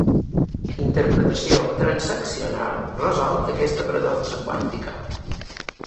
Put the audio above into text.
La interpretació transaccional resol aquesta paradoxa quàntica.